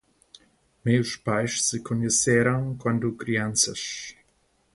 Meus pais se conheceram quando crianças.